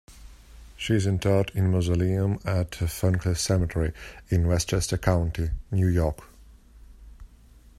She is interred in a mausoleum at Ferncliff Cemetery in Westchester County, New York.